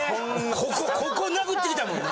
ここここ殴ってきたもんね。